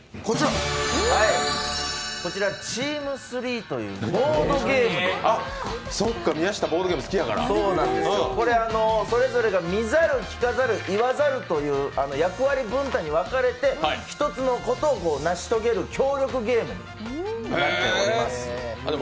こちらチーム３というボードゲームなんですけれどもそれぞれが見ざる、聞かざる、言わざるという役割分担に分かれて１つのことを成し遂げる協力ゲームになっております。